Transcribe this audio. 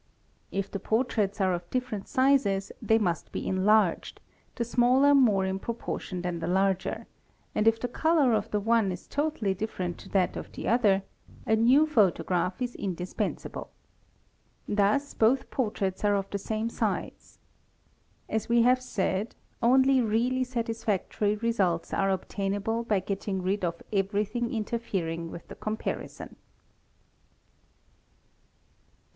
If the portraits e of different sizes they must be enlarged, the smaller more in propor on than the larger ; and if the colour of the one is totally different. to t of the other, a new photograph is indispensable. Thus both portraits te of the same size. As we have said, only really satisfactory results are tainable by getting rid of everything interfering with the comparison.